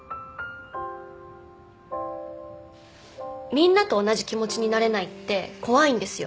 みんなと同じ気持ちになれないって怖いんですよ。